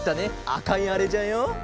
あかいあれじゃよ。